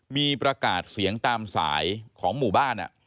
มีประกาศเสียงตามสายของหมู่บ้าน